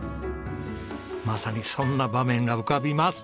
まさにそんな場面が浮かびます。